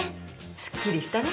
すっきりしたね。